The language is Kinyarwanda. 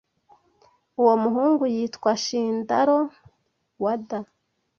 Uwo muhungu yitwa Shintaro Wada.